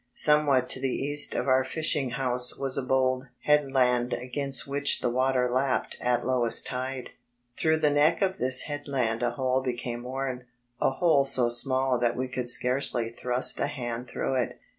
Somewhat to the east of our fishing house was a bold head land against which the water lapped at lowest dde. Through the neck of this headland a hole became worn a hole so small that we could scarcely thrust a hand through it.